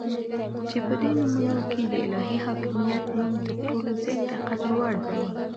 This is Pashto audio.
چې په دي نومونو كې دالهي حاكميت نوم تر ټولو زيات دقدر وړ دى